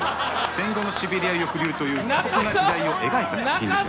戦後のシベリア抑留という過酷な時代を描いた作品です。